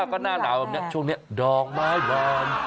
ก็น่าเหล่าแบบนี้ช่วงนี้ดอกไม้บาน